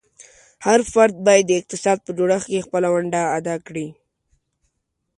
هر فرد باید د اقتصاد په جوړښت کې خپله ونډه ادا کړي.